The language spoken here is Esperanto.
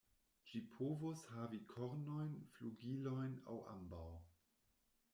Ĝi povus havi kornojn, flugilojn, aŭ ambaŭ.